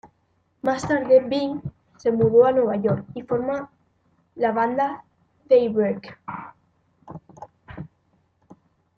Más tarde, Ving se mudó a Nueva York y forma la banda Daybreak.